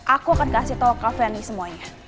aku akan kasih tau ke fanny semuanya